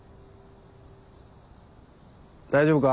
大丈夫か？